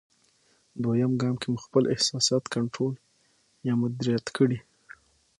دوېم ګام کې مو خپل احساسات کنټرول یا مدیریت کړئ.